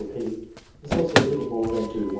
p., is also a little more than 2 to 1.